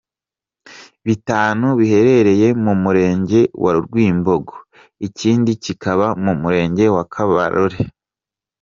Bitanu biherereye mu murenge wa Rwimbogo, ikindi kikaba mu Murenge wa Kabarore.